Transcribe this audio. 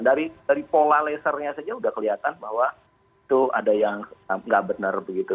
dari pola lasernya saja sudah kelihatan bahwa itu ada yang nggak benar begitu